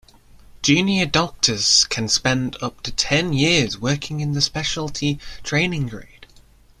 Junior doctors can spend up to ten years working in the speciality training grade.